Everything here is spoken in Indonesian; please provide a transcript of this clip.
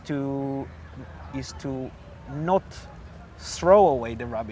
tidak menyerahkan kerabat